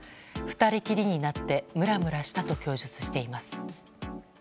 ２人きりになってムラムラしたと供述しています。